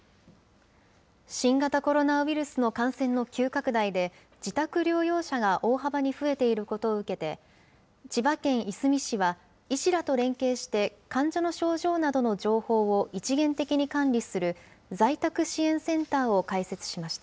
新型コロナウイルスの感染の急拡大で、自宅療養者が大幅に増えていることを受けて、千葉県いすみ市は、医師らと連携して、患者の症状などの情報を一元的に管理する、在宅支援センターを開設しました。